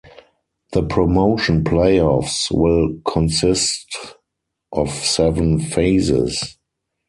The Promotion Play–offs will consist of seven phases.